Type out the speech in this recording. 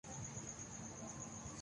اس کا کیا کیا جائے؟